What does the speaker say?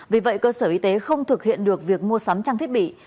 vì vậy cơ sở y tế không thực hiện được việc mua sắm trang thiết bị